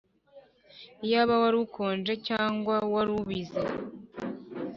Iyaba wari ukonje cyangwa wari ubize!